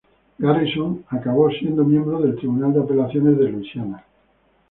Garrison acabó siendo miembro del Tribunal de Apelaciones de Luisiana.